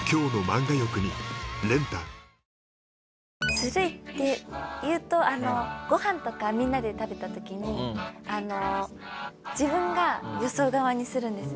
ずるいっていうとご飯とかみんなで食べた時に自分がよそう側にするんです。